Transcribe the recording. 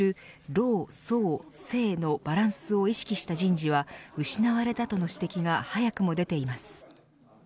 老・壮・青のバランスを意識した人事は失われたとの指摘が早くも出ています。